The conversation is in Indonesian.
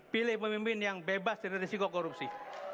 pilih pemimpin yang bebas dari risiko korupsi